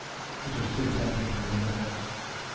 It was too tempting to leave at once.